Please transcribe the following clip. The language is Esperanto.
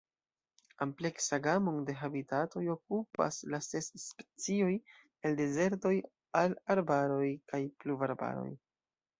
Ampleksa gamon de habitatoj okupas la ses specioj, el dezertoj al arbaroj kaj pluvarbaroj.